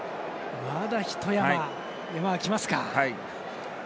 まだ、ひと山山はきますか。